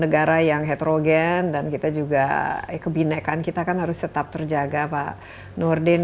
negara yang heterogen dan kita juga kebinekaan kita kan harus tetap terjaga pak nurdin